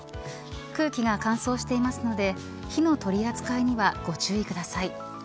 空気が乾燥していますので火の取り扱いにはご注意ください。